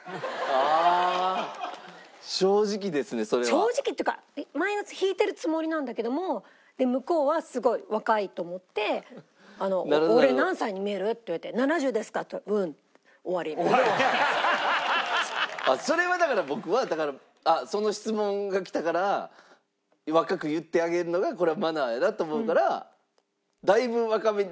正直っていうかマイナス引いてるつもりなんだけども向こうはすごい若いと思って「俺何歳に見える？」って言われて「７０ですか？」って言ったら「うん」終わりみたいな。それはだから僕はその質問がきたから若く言ってあげるのがこれはマナーやなと思うからだいぶ若めに。